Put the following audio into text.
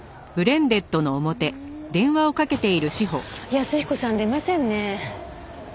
安彦さん出ませんね。